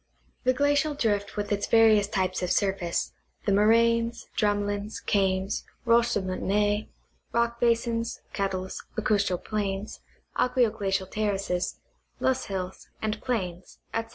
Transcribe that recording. The glacial di ift with its various types of surface, the moraines, drumlins, kames, roches de moutonnees, rock basins, kettles, lacus tral plains, aqueo glacial terraces, loess hills and plains, etc.